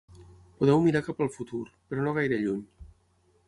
Podeu mirar cap al futur, però no gaire lluny.